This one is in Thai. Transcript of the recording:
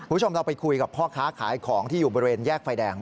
คุณผู้ชมเราไปคุยกับพ่อค้าขายของที่อยู่บริเวณแยกไฟแดง